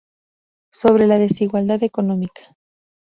Sobre la desigualdad económica.